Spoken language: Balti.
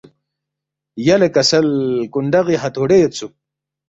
یلے کسل کونڈغی ہتھوڑے یودسُوک